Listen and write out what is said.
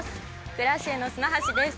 クラシエの砂橋です。